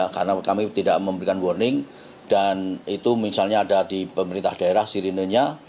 karena kami tidak memberikan warning dan itu misalnya ada di pemerintah daerah sirinenya